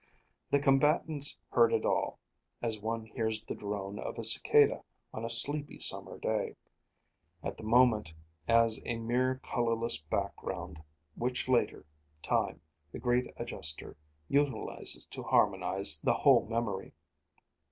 The combatants heard it all, as one hears the drone of the cicada on a sleepy summer day; at the moment, as a mere colorless background which later, Time, the greater adjuster, utilizes to harmonize the whole memory.